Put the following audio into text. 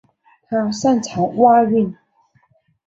他擅长蛙泳。